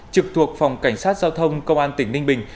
trực thuộc phòng cảnh sát giao thông công an tỉnh ninh bình